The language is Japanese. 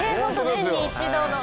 年に一度の。